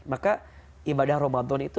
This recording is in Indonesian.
maka ibadah ramadan itu